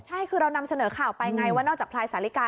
ใช่คือเรานำเสนอข่าวไปไงว่านอกจากพลายสาลิกา